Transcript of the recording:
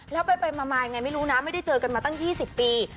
แล้วไปมายังไงไม่รู้นะไม่ได้เจอกันมาตั้ง๒๐ปี